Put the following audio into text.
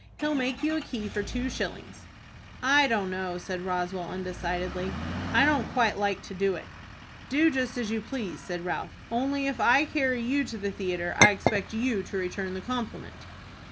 He'll make you a key for two shillings." "I don't know," said Roswell, undecidedly. "I don't quite like to do it." "Do just as you please," said Ralph; "only if I carry you to the theatre I expect you to return the compliment."